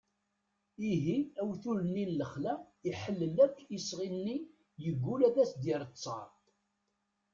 ihi awtul-nni n lexla iḥellel akk isɣi-nni yeggul ad as-d-yerr ttar